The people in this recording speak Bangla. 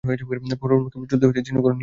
পেরুমলকে বল জলদি জিনিসগুলো নিয়ে নিতে।